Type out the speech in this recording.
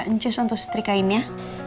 nanti santo setrika ini ya